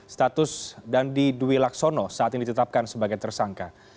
status dandi dwi laksono saat ini ditetapkan sebagai tersangka